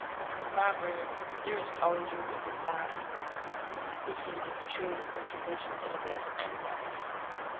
The proverb, "There's always room at the top," is seen to be true when conditions are thus analyzed.